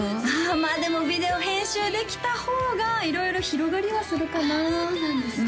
まあでもビデオ編集できた方が色々広がりはするかなああそうなんですね